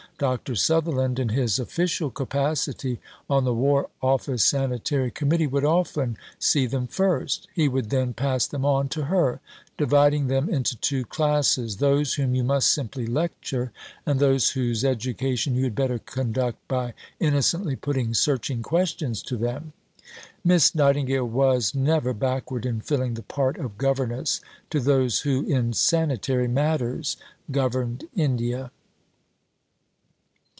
Dr. Sutherland, in his official capacity on the War Office Sanitary Committee, would often see them first; he would then pass them on to her, dividing them into two classes: those "whom you must simply lecture" and those "whose education you had better conduct by innocently putting searching questions to them." Miss Nightingale was never backward in filling the part of governess to those who in sanitary matters governed India.